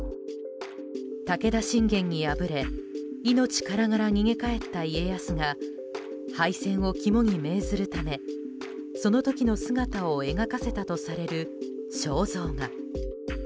武田信玄に敗れ命からがら逃げ帰った家康が敗戦を肝に銘ずるためその時の姿を描かせたとされる肖像画。